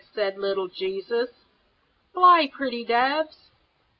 said little Jesus. "Fly, pretty doves!"